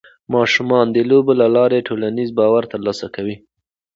ماشومان د لوبو له لارې ټولنیز باور ترلاسه کوي.